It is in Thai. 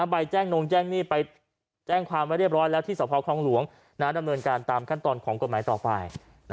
ใบแจ้งนงแจ้งหนี้ไปแจ้งความไว้เรียบร้อยแล้วที่สภครองหลวงดำเนินการตามขั้นตอนของกฎหมายต่อไป